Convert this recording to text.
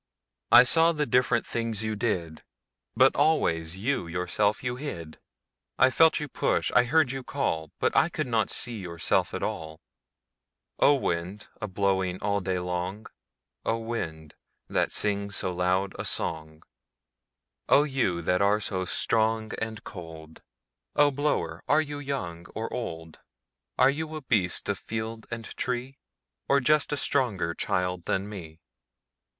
I saw the different things you did, But always you yourself you hid.I felt you push, I heard you call,I could not see yourself at all—O wind, a blowing all day long,O wind, that sings so loud a songO you that are so strong and cold,O blower, are you young or old? Are you a beast of field and tree, Or just a stronger child than me?